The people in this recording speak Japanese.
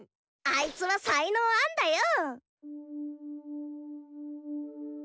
あいつは才能あんだよ！